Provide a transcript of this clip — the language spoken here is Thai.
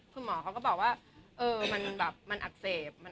คุณหมอเขาก็บอกว่ามันอักเสบ